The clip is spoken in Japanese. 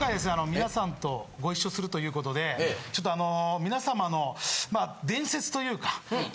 皆さんとご一緒するということでちょっとあの皆さまの。